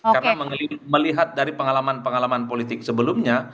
karena melihat dari pengalaman pengalaman politik sebelumnya